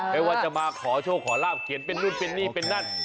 ไม่ว่าจะมาขอโชคขอลาบเขียนเป็นนู่นเป็นนี่เป็นนั่น